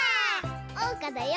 おうかだよ！